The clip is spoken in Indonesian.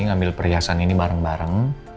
ngambil perhiasan ini bareng bareng